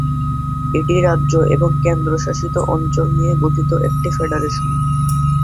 এটি রাজ্য এবং কেন্দ্রশাসিত অঞ্চল নিয়ে গঠিত একটি ফেডারেশন।